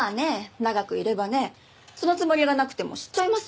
長くいればねそのつもりがなくても知っちゃいますよね。